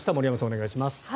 お願いします。